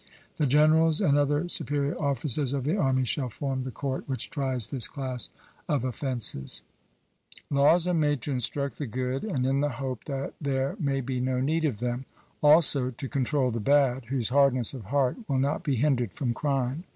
The generals and other superior officers of the army shall form the court which tries this class of offences. Laws are made to instruct the good, and in the hope that there may be no need of them; also to control the bad, whose hardness of heart will not be hindered from crime.